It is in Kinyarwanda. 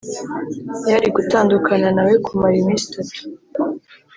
Yari gutandukana na we kumara iminsi itatu